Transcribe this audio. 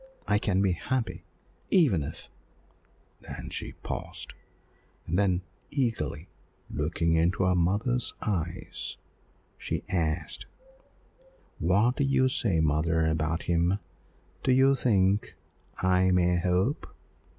I can be happy, even if " There she paused, and then eagerly looking into her mother's eyes she asked, "What do you say, mother, about him? do you think I may hope?"